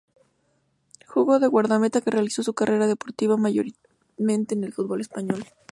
Jugó de guardameta, y realizó su carrera deportiva mayormente en el fútbol español.